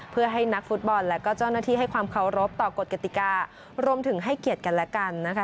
เพื่อให้นักฟุตบอลและก็เจ้าหน้าที่ให้ความเคารพต่อกฎกติการวมถึงให้เกียรติกันและกันนะคะ